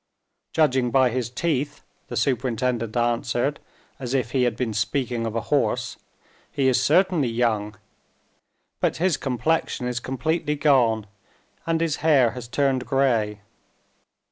"Judging by his teeth," the superintendent answered, as if he had been speaking of a horse, "he is certainly young. But his complexion is completely gone, and his hair has turned gray.